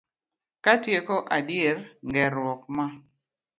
Katieko, adier gerruok ma